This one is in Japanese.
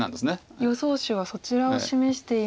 予想手はそちらを示しています。